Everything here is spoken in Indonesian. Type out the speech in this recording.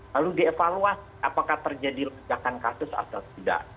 lalu dievaluasi apakah terjadi lonjakan kasus atau tidak